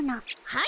はい。